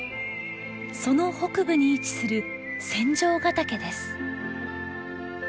その北部に位置する仙丈ヶ岳です。